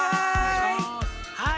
はい。